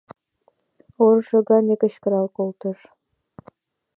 Орышо гане кычкырал колтыш.